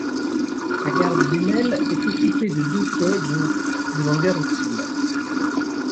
La gare de Lunel est équipée de deux quais de de longueur utile.